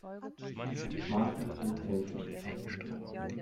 Marshal Gill Tatum.